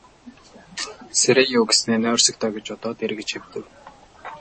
Сэрээе юү гэснээ нойрсог доо гэж бодоод эргэж хэвтэв.